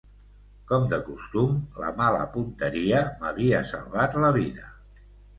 Com de costum, la mala punteria m'havia salvat la vida